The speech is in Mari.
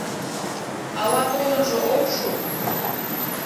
Ала толынжо ок шу?..